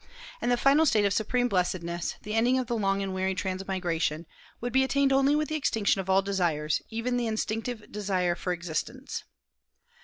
And the final state of supreme blessedness, the ending of the long and weary transmigration, would be attained only with the extinction of all desires, even the instinctive desire for existence.